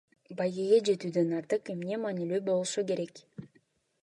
Байгеге жетүүдөн артык эмне маанилүү болушу керек?